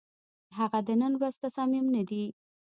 هغه د نن ورځ تصامیم نه دي،